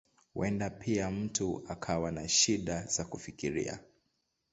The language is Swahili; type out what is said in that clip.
Huenda pia mtu akawa na shida za kufikiria.